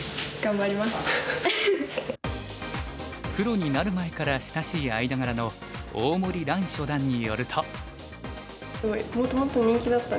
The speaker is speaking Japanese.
プロになる前から親しい間柄の大森らん初段によると。